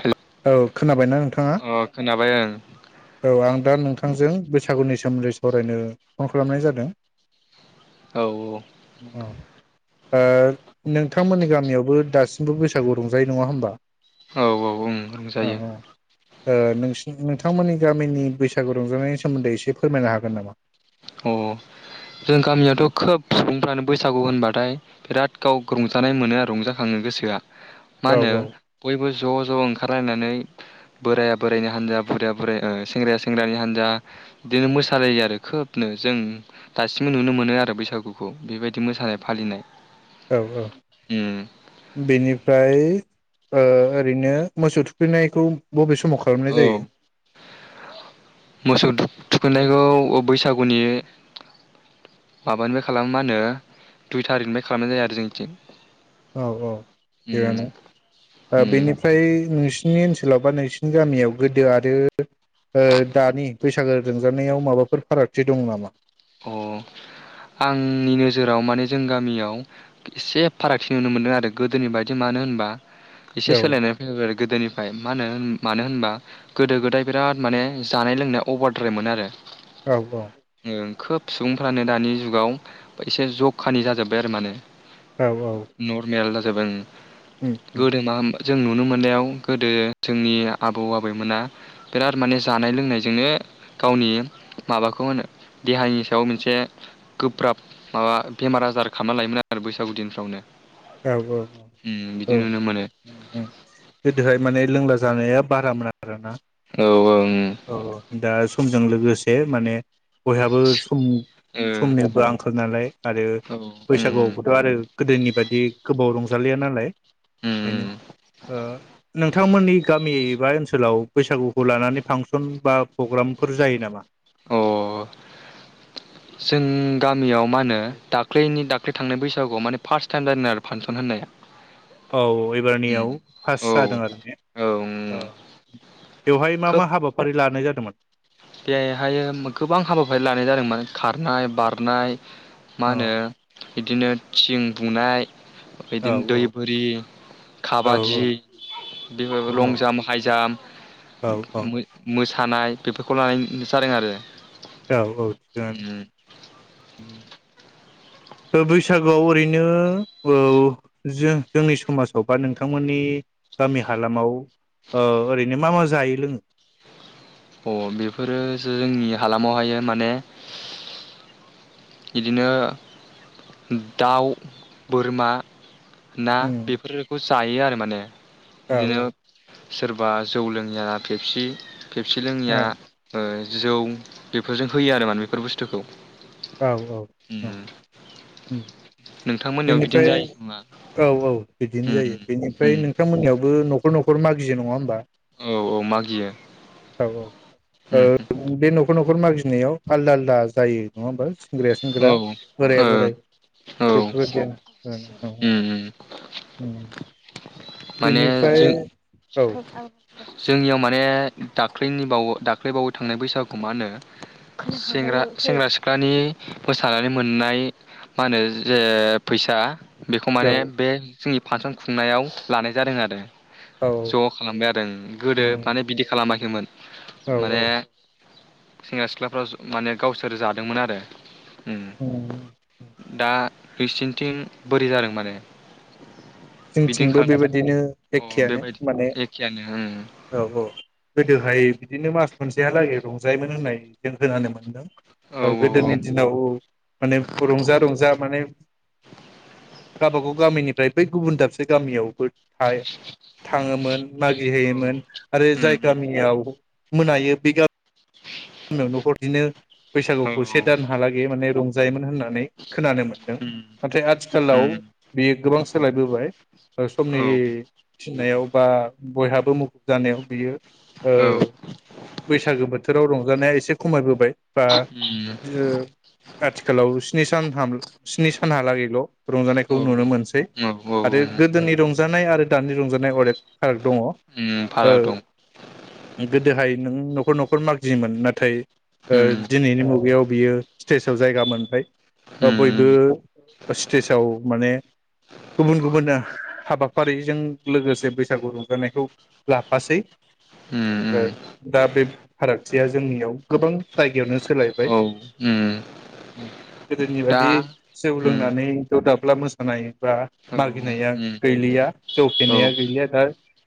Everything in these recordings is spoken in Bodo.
हेल' औ खोनाबायना नोंथाङा? अ [unintelligible] अ औ औ। ओ नोंथांमोननि गामियावबो दासिमबो बैसागु रंजायो नङा होमबा? औ औ ओं रंजायो। ओ नोंसिनि नोंथांमोननि गामिनि बैसागु रंजानायनि सोमोन्दै एसे फोरमायनो हागोन नामा? अ जों गामियावथ खोब सुबुंफ्रानो बैसागु होनबाथाय बिराद गाव रंजानाय मोनो आरो रं मा औ होनो बयबो ज जओंखारलायनानै बोराया बोरायनि हानजा बुरैया बुरै ओ सेंग्राया सेंग्रानि हान्जा बिदिनो मोसालायो आरो खोब नो जों दासिमबो नुनो मोनो आरो बैसागुखौ बेबायदि मोसानाय फालिनाय। औ औ उम [inaudible] बेनिफ्राय ओ ओरैनो मोसौ थुखैनायखौ बबे स औ। थुखैनायखौ ओ बैसागुनि [inaudible] माबानिफ्राय खालामो मा होनो दुइ थारिकनिफ्राय खालामनाय जायो आरो जोंनिथिं। औ औ उम थिगानो ओ उम बेनिफ्राय नोंसि सिनि ओनसोलाव बा नोंसिनि गामियाव गोदो आरो ओ दानि बैसागो रंजानायाव माबाफोर फारागथि दं नामा? अ आंनि नोजोराव माने जों गामियाव एसे फारागथि नुनो मोनदों आरो गोदोनि बायदि मानो होनबा एसे औ सोलायनाय फैबाय आरो गोदोनि फाय माहोनो मानो होनबा गोदो गोदाय बिराद माने जानाय लोंनाया अभारद्राय मोन आरो। औ औ। खोब सुबुंफ्रानो दानि जुगाव एसे जखानि जाजोबबाय आरो माने। औ औ नरमेल दा [unintelligible] उम उम गोदो मा [unintelligible] जों नुनो मोननायाव गोदो जोंनि आबौ आबैमोना बिराद माने जानाय लोंनायजोंनो गावनि माबाखौ होनो देहानि सायाव मोनसे गोब्राब माबा बेमार आजार खालामना लायोमोन आरो बैसागु दिनफ्रावनो औ औ उम औ बिदि नुनो मोनो ओम गोदोहाय माने लोंला जालाया बारामोन आ आरोना औ ओं औ औ दा सम जों लोगोसे माने बयहाबो सम समनिबो आंखाल नालाय आरो ओ औ उम बैसागुआवबोथ आरो गोदोनि दि गोबाव रंजालिया नालाय। उम बेनो ओ नोंथांमोननि गामि बा ओनसोलाव बैसागुखौ लानानै फांसन बा प्रग्रामफोर जायो नामा? अ जों गामियाव मा होनो दाख्लैनि दाख्लै थांनाय बैसागुआव माने फार्स्ट टाइम जादों आरो फांसन होननाया। औ उम एबारनियाव पास औ जादों आरो ने औ उम ओ बेवहाय मा खोब मा हाबाफारि लानाय जादोंमोन? बेहायो गोबां हाबाफारि लानाय जादोंमोन खारनाय बारनाय मा औ होनो बिदिनो थिं बुनाय औ बिदिनो दै बोरि औ काबादि औ बेफोर लं जाम्प हाइजाम्प औ औ म मो मोसा थानाय। बेफोरखौ लानायनैनो जादों आरो। औऔ थिगानो ओ बैसागुआव ओरैनो औ जो जोंनि समाजाव बा नोंथांमोननि गामि हालामाव ओ ओरैनो मा मा जायो लोङो? अ बेफोरो जोंनि हालामावहायो माने बिदिनो दाउ बोरमा ना उम बेफोरोखौ जायो आरो माने। औ बिदिनो सोरबा जौ लोङिया पेफसि पेफसि लोङिया औ ओ जौ बेफोरजों होयो आरो माने बेफोर बुस्थुखौ। औ औ औ। उम उम। नोंथांमोननियाव बिदिनो बेनिफ्राय जायो खोमा औ औ बिदिनो उम जायो बेनिफ्राय उम नोंथां मोननियावबो न'खर न'ख खर मागियो नङा होनबा। औ औ मागियो औ औ ओ उम उम। बे न'खर नखर मागिनायाव आलदा आलदा जायो नङा होनबा सेंग्राया औ सेंग्राा ओं बोराया बोराय। औ बेफोरबायदिनो उम औ औ उम उम उम। माने जों जोंनियाव माने दाख्लैनि बाव दाख्लैबावै थांनाय बैसागु मा होनोग सेंग्रा सेंग्रा सिख्लानि मोसानानै मोननाय मा होनो जे ओ फैसा बेखौ माने बे जोंनि फांसन खुंनायाव। लानाय जादों आरो औ ज खालामबाय आरो उम गोदो माने औ बिदि खालामाखै खैमोन औ औ माने सेंग्रा सिख्लाफ्रा माने गावसोर जादोंमोन आरो ओम दा इसिनथिं बोरै जादों माने बिदिनो जोंंथिंबो बेबाय खालामनो बिदिनो औ एखेयानो बेबायदि माने एखेयानो औ औ गोदोहाय बिदिनो मास मोनसेहालागै रंजायोमोन होननाय जों खोनानो मोनदों ओ गोदोनि ओं दिनाव औ माने रंजा रंजा माने गावबा गाव गामिनि दाय। गुबुन दाबसे गामियावबो। हाय थाङोमोन औ मागिहैयोमोन औ आरो जाय उम गामियाव मोनायो बे गामि नो न'खरनिनो उम औ बैसागुखौ से दानहालागै माने रं जायोमोन होनना। होननानै खोनानो मोनदों उम नाथाय आथिखालाव उम बियो गोबां सोलायबोबाय ओ औ समनि उम थिननायाव बा बयहाबो मुखुब जानायाव बियो औ बैसागो बोथोराव रं लानाया एसे खमायबोबाय दा बियो आथिखालाव स्नि सान स्नि सानहालागैल' रंजानायखौ नुनो मोनसै औ औ आरो उम गोदोनि रंज रंजानाय आरो दानि रंजानाय अनेक फाराग दङ ओम भारायाव दं। गोदोहाय नों न'खर न'खर माग गियोमोन नाथाय ओ उम दिनैनि मुगायाव बियो स्टेजाव जायगा मोनबाय ओ बयबो उम उम स्टेजाव माने गुबुन गुबुन हाबाफारिजों लोगोसे बैसागु रंजानायखौ लाफासै उम ओ दा बे फारागथिया जोंनियाव गोबां जायगायावनो सोलायबाय। औ उम ओम गोदोनि दा बादि जौ उम लोंनानै दौदाब्ला मोसानाय बा औ मागिनाया उम गैलिया जौ औ फेनाया गैलिया दा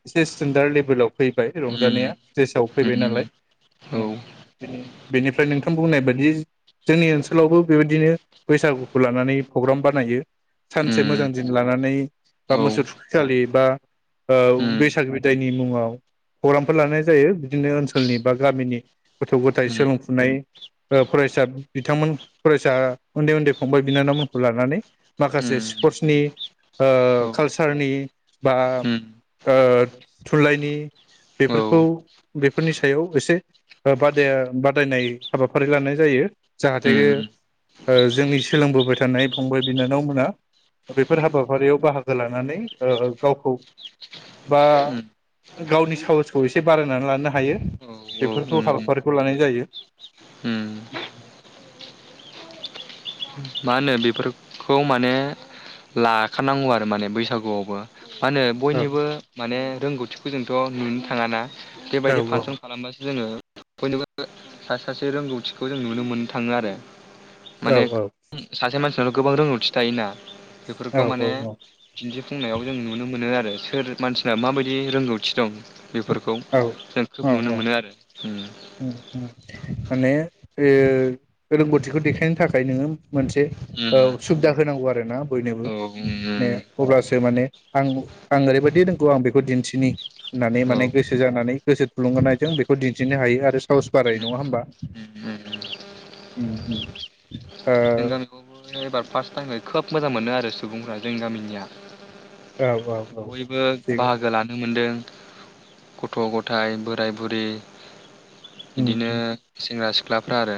एसे स्टेेनडार लेभेलाव फैबाय उम रंजानाया स्टेजाव उम फैबाय नालाय औ उम औ बेनिफ्राय नोंथां बुंनाय बादि जोंनि ओनसोलावबो बेबायदिनो बैसागुखौ लानानै प्रग्राम बानायो उम सानसे मोजां दिन लानानै बा मोसौथुखिखालि बा ओ बैसागु बिदायनि मुङाव प्रग्रामफोर लानाय जायो बिदिनो ओन सोलनि बा गामिनि गथ' गथाय सोलोंफुनाय ओ फरायसा बिथांमोन फरायसा उन्दै उन्दै फंबाय बिनानावमोनखौ लानानै माखासे उम स्परटसनि ओ औ कालसारनि बा उम ओ थुनलाइनि औ बेफोरखौ बे फोरनि सायाव एसे ओ बादाया-बादायनाय हाबाफारि लानाय जायो जाहाथे ओ उम जोंनि सोलोंबोबाय थानाय फंबाय बिनानावमोना बेफोर हाबाफारियाव बाहागो लानानै ओ गावखौ बा उम गावनि साहसखौ एसे बारायनानै लानो हायो औ औ बेफोरखौ उम हाबाफारिखौ लानाय जायो। उम मा होनो बेफोरखौ माने लाखानांगौ आरो माने बैसागुआवबो मा होनो औ बयनिबो माने रोंगौथिखो जोंथ नुनो थाङाना बेबायदि औ फांसन खालामबासो जोङो बयनिबो सा सासे रोंगौथिखौ जों नुनो मोननो थाङो आरो औ माने औ सासे मानसिनथ गोबां रोंगौथि थायोना औ बेफोरखौ माने दिन्थि बुंंनायाव जों नुनो मोनो आरो सोर मानसिना माबायदि रोंगौथि दं। बेफोरखौ औ जों खोब औ नुनो औ मोनो आरो उम माने ओ रोंगौथिखौ देखायनो थाखाय नोङो मोनसे ओ उम सुबिदा होनांगौ आरो आरो ना बयनोबो औ म उम अब्लासो माने आं आं ओरै बायदि रोंगौ आं बेखौ दिन्थिनि होननानै औ माने गोसो जानानै गोसो थुलुंगानायजों बेखौ दिन्थिनो हायो आरो साहस बाराय उम नङा हबा जों उ उ ओ गामिखौबो एबार फार्स्ट टाइमाय खोब मोजां मोनो आरो सुबुंफ्रा जोंनि गामिनिया औ औ बयबो थिग बाहागो लानो मोनदों। गथ-गथाय, बोराय-बुरि, बिदिनो सेंग्रा-सि ख्लाफ्रा आरो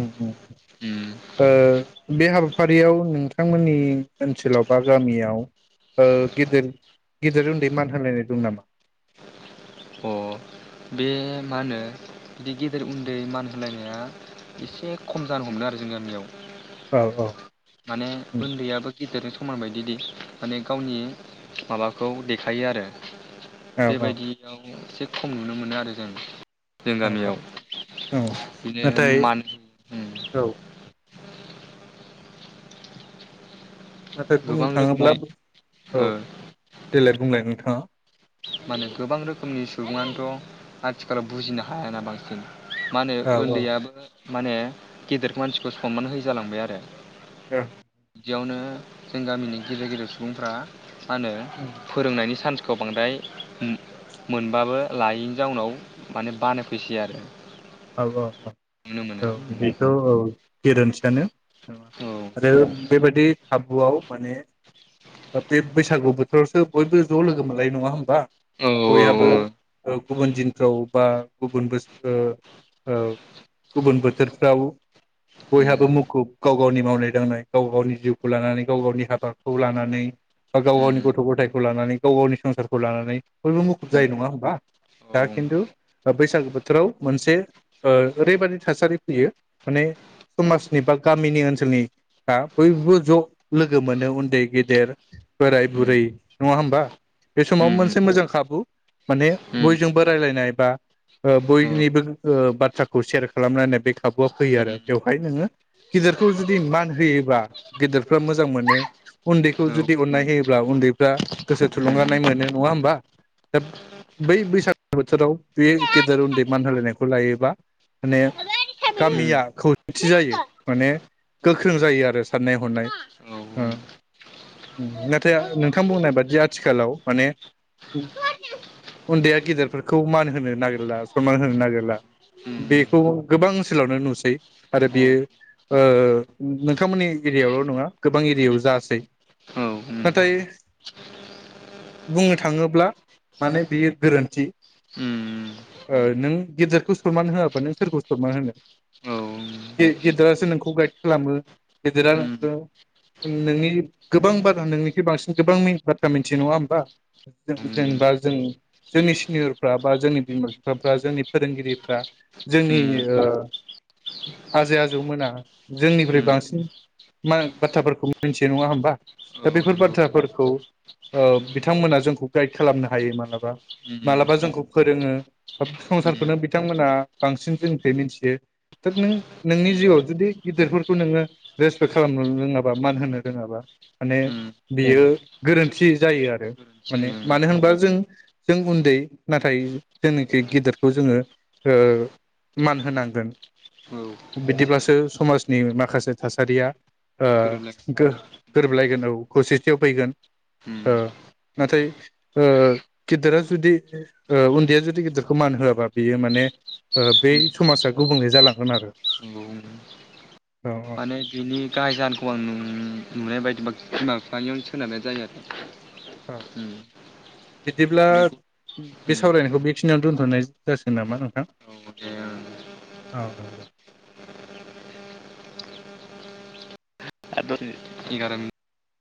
ओम ओम ओ बे हाबाफारियाव नोंथांमोननि ओनसोलाव बा गामियाव ओ गेदेर गेदेर उन्दै मान होलायनाय दं नामा अ बे मा होनो बे गेदेर उन्दै मान होलायनाया एसे खम जानो हमदों आरो जोंनि गामियाव। औ औ माने उन्दैयाबो गिदिरजों समान बायदि दि माने गावनि माबाखौ देखायो आरो औ औ बेबायदियाव एसे खम नुनो मो मोनो आरो जों जों औ गामियाव औ बिदिनो नाथाय मान औ नाथाय बुंनो गोबां थाङोब्ला रोखोमनि औ ओ देलाय बुंलाय नोंथां। हो माने गोबां रोखोमनि सुबुङानोथ आथिखालाव बुजिनो हायाना बांसिन। मा होनो औ उन्दैयाबो माने गेदेर मानसिखौ सनमान होयि जालांबाय आरो ओं बिदियावनो जों गामिनि गिदिर गिदिर सुबुंफ्रा मा होनो औ फोरोंनायनि सान्स खौ बांद्राय मोनबाबो लायैनि जाउनाव माने बानाय फैसै आरो औ औ औ नुनो मोनो औ बेथ औ गेरेन्थि यानो औ आरो बेबादि खाबुआव माने बे बैसागु बोथोरावसो बयबो ज लोगो मोनलायो नङा होमबा औ बयाबो औ ओ गुबुन दिनफ्राव बा गुबुन बोसोर ओ गुबुन बोथोरफ्राव बयहाबो मुखुब गाव गावनि मावनाय दांनाय गाव गावनि जिउखौ लानानै गाव गावनि हाबाखौ लानानै बा गाव उम उम गावनि गथ गथायखौ लानानै गाव गावनि संसारखौ लानानै बयबो मुखुब उम जायो नङा होमबा औ दा खिन्थु बैसागो बोथोराव मोनसे ओ ओरैबादि थासारि फैयो माने समाजनि बा गामिनि ओनसोलनि आ बयबो ज लोगो मोनो उन्दै गेदेर बोराय उम बुरै नङा होमबा बे समाव उम उम मोनसे मोजां खाबु माने बयजोंबो रायलायनाय बा ओ औ बयनि बो ओ बाथ्राखौ सेयार खालामलायनाय बे खाबुआ फैयो आरो उम बेवहाय नोङो गिदेरखौ जुदि मान होयोबा गेदेरफ्रा मोजां मोनो उन्दैखौ जुदि अननाय होयोब्ला उन्दैफ्रा गोसो औ उम थुलुंगानाय मोनो नङा होमबा दा बै बैसागु बोथोराव बे गेदेर उन्दै मान होलायनायखौ लायोबा उम औ उम औ उम औ माने गामिया खौसेथि जायो माने गोख्रों जायो आरो साननाय हनाय ओं नाथाय नोंथां बुंनाय बादि आथिखालाव माने उन्दैया गेदेरफोरखौ मान होनो नागिरला सनमान होनो नागिरला बेखौ गोबां ओनसोलावनो नुसै आरो बेयो ओ नोंथांमोननि एरियायावल नङा गोबां एरियायाव उम जासै नाथाय बुंनो थाङोब्ला माने बेयो गोरोन्थि ओ नों गेदेरखौ सनमान होआबा नों सोरखौ सनमान होनो गे गेदेरासो नोंखौ गाइद खालामो गेदेरा नो नोंनि गोबां बारा नोंनिख्रुइ बांसिन गोबां बाथ्रा मिथियो नङा होमबा जों उम जेनेबा जों जोंनि सिनियरफ्रा बा जोंनि बिमा बिफ फ्रा जोंनि फोरोंगिरिफ्रा जोंनि उम ओ आजै आजौमोना जोंनिफ्राय उम बांसिन मा बाथ्राफोरखौ मोन्थियो नङा होमबा औ दा बेफोर नंगौ बाथ्राफोरखौ ओ बिथांमोना जोंखौ गाइड खालामनो हायो मालाबा उम उम फोरोङो सब उम संसारखौनो बिथांमोना बांसिन जोंनिफ्राय मिथियो दा नों नोंनि जिउआव जुदि गिदिरफोरखौ नोङो रेसपेक्ट खालामनो रोङाबा मान होनो रोङाबा माने उम बियो गोरोन्थि जायो आरो गोरोन्थि जायो माने औ मानो होनबा जों जों उन्दै नाथाय जोंनोखि गिदिरखौ जोङो ओ मान होनांगोन बिदिब्लासो समाजनि माखासे थासारिया ओ गोरोबलाय गो गोरोबलायगोन औ खौसेथियाव फैगोन उम ओ नाथाय ओ गिदिरा जुदि ओ उन्दैया जुदि गिदिर खौ मान होआबा बियो माने बै उम समाजा गुबुंले जालांगोन आरो। नंगौ उम औ माने बिनि गाहाय जाहोनखौ आं नु नुनाय बाय बिमा बिफानियावनो सोनारनाय जायो आरो। ओ उम बिदिब्ला बे बे उम सावरायनायखौ बेखिनियावनो दोनथनाय जासिगोन नामा नोंथां औ दे ओं औ। एगारोमोन।